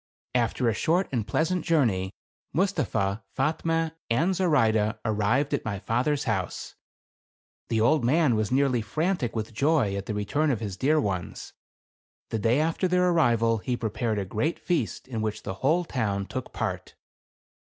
After a short and pleasant journey, Mustapha, Fatme, and Zoraide arrived at my father's house. The old man was nearly frantic with joy at the THE CAE AVAN. 189 return of his dear ones. The day after their arrival he prepared a great feast in which the whole town took part.